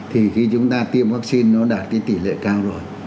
thì khi chúng ta tiêm vắc xin nó đạt cái tỷ lệ cao rồi